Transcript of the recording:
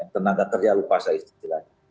tenaga kerja lupa saya istilahnya